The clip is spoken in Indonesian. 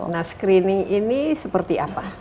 nah screening ini seperti apa